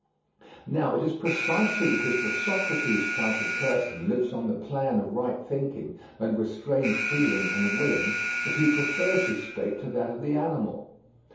Now it is precisely because the Socrates type of person lives on the plan of right thinking and restrained feeling and willing that he prefers his state to that of the animal.